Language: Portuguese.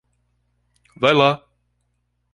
Vai lá